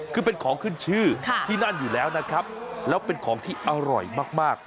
คือเป็นของขึ้นชื่อที่นั่นอยู่แล้วนะครับแล้วเป็นของที่อร่อยมาก